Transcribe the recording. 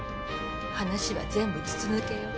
話は全部筒抜けよ。